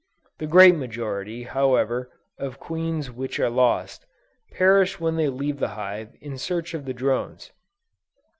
The great majority, however, of queens which are lost, perish when they leave the hive in search of the drones.